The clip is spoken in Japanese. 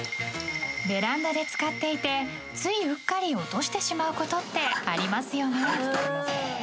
［ベランダで使っていてついうっかり落としてしまうことってありますよね］